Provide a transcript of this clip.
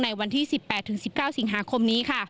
ในวันที่๑๘๑๙สิงหาคมนี้ค่ะ